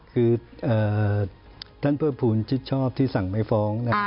คือท่านเพิ่มภูมิชิดชอบที่สั่งไม่ฟ้อง